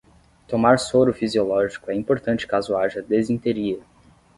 Tomar soro fisiológico é importante caso haja desinteria